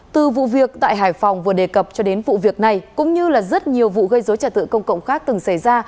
từ vụ việc tại hải phòng vừa đề cập cho đến vụ việc này cũng như là rất nhiều vụ gây dối trả tự công cộng khác từng xảy ra